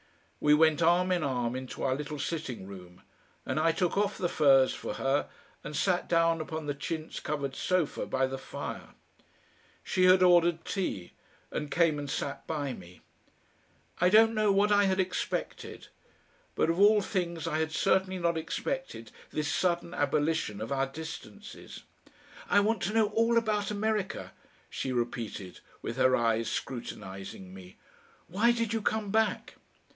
We went arm in arm into our little sitting room, and I took off the fur's for her and sat down upon the chintz covered sofa by the fire. She had ordered tea, and came and sat by me. I don't know what I had expected, but of all things I had certainly not expected this sudden abolition of our distances. "I want to know all about America," she repeated, with her eyes scrutinising me. "Why did you come back?"